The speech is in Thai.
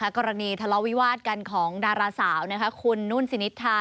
กรณีทะเลาะวิวาสกันของดาราสาวคุณนุ่นสินิษฐา